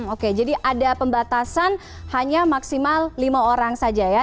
oke jadi ada pembatasan hanya maksimal lima orang saja ya